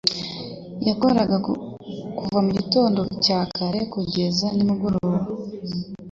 yakoraga kuva mu gitondo cya kare kugeza nimugoroba